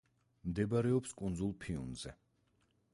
მდებარეობს კუნძულ ფიუნზე.